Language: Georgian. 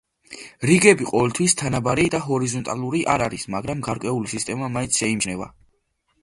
რიგები ყოველთვის თანაბარი და ჰორიზონტალური არ არის, მაგრამ გარკვეული სისტემა მაინც შეიმჩნევა.